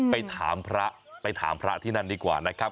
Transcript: ไปถามพระไปถามพระที่นั่นดีกว่านะครับ